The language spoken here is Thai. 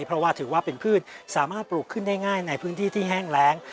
เพราะว่าถือว่าเป็นพืชสามารถปลูกขึ้นได้ง่ายในพื้นที่ที่แห้งแรง